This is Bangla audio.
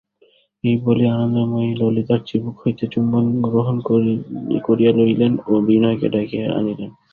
এই বলিয়া আনন্দময়ী ললিতার চিবুক হইতে চুম্বন গ্রহণ করিয়া লইলেন ও বিনয়কে ডাকিয়া আনিলেন।